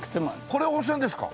これ温泉ですか？